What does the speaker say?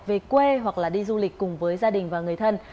về quê hoặc là đi du lịch cùng với gia đình và người thân